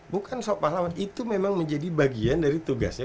bukan soal pahlawan itu memang menjadi bagian dari tugasnya